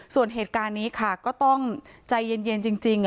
ส่วนเหตุการณ์นี้ค่ะก็ต้องใจเย็นจริง